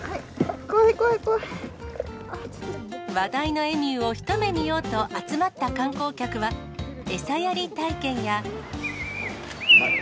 話題のエミューを一目見ようと集まった観光客は、餌やり体験や。